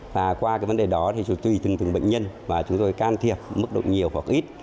và qua cái vấn đề đó thì tùy từng từng bệnh nhân và chúng tôi can thiệp mức độ nhiều hoặc ít